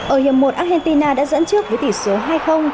ở hiệp một argentina đã dẫn trước với tỷ số hai